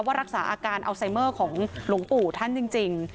รักษาอาการอัลไซเมอร์ของหลวงปู่ท่านจริง